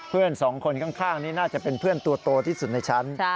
เพื่อนสองคนข้างนี้น่าจะเป็นเพื่อนตัวโตที่สุดในชั้น